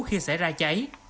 khi xảy ra cháy